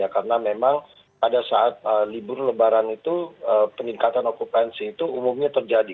karena memang pada saat libur lebaran itu peningkatan okupansi itu umumnya terjadi